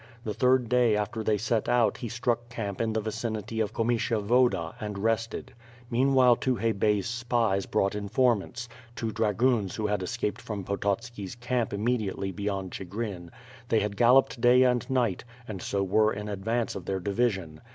The third day after they set out he struck camp in the vicinity of Komysha Voda and rested. Meanwhile Tukhay Bey's spies brought informants; two dragoons who had escaped from Pototski 's camp immediately beyond Chigrin; they had gal loped day and night, and so were in advance of their division.